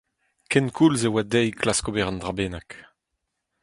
Kenkoulz e oa dezhi klask ober un dra bennak.